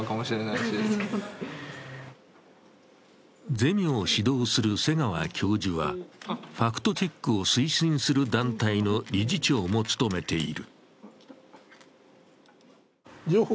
ゼミを指導する瀬川教授は、ファクトチェックを推進する団体の理事長も務めている。